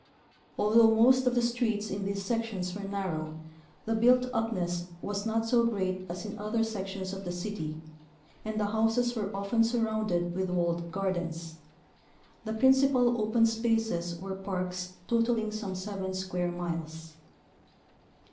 Although most of the streets in these sections were narrow, the built upness was not so great as in other sections of the city, and the houses were often surrounded with walled gardens. The principal open spaces were parks totaling some seven square miles.